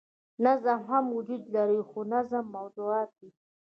نظم هم وجود لري خو د نظم موضوعات ئې